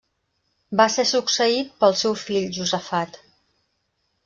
Va ser succeït pel seu fill Josafat.